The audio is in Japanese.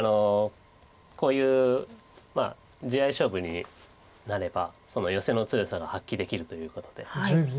こういう地合い勝負になればそのヨセの強さが発揮できるということで。